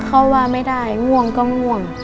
เขาว่าไม่ได้ง่วงก็ง่วง